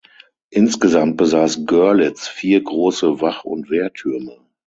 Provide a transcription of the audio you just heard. Insgesamt besaß Görlitz vier große Wach- und Wehrtürme.